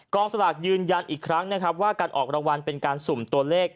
สลากยืนยันอีกครั้งนะครับว่าการออกรางวัลเป็นการสุ่มตัวเลข